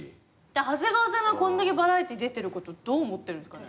長谷川さんがこんだけバラエティー出てることどう思ってるんですかね。